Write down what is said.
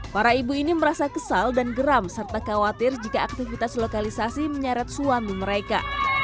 para ibu ini merasa kesal dan geram serta khawatir jika aktivitas lokalisasi menyeret suami mereka